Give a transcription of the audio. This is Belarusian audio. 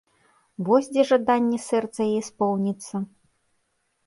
Вось дзе жаданне сэрца яе споўніцца!